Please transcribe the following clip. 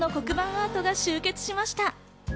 アートが集結しました。